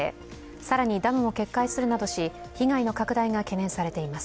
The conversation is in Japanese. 更にダムも決壊するなどし被害の拡大が懸念されています。